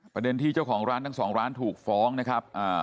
ประเด็นที่เจ้าของร้านทั้งสองร้านถูกฟ้องนะครับ